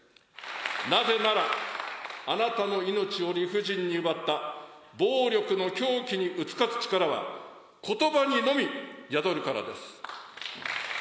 なぜなら、あなたの命を理不尽に奪った暴力の凶器に打ち勝つ力は、ことばにのみ宿るからです。